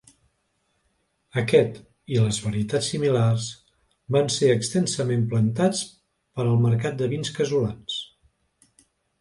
Aquest i les varietats similars van ser extensament plantats per al mercat de vins casolans.